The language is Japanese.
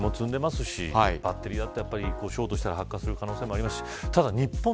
ガソリンも積んでいますしバッテリーもショートしたら発火する可能性もあります。